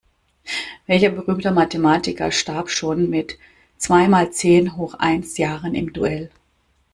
Welcher berühmte Mathematiker starb schon mit zwei mal zehn hoch eins Jahren im Duell?